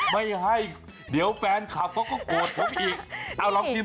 ไม่ให้เดี๋ยวแฟนคลับเค้าก็โกรธผมอีก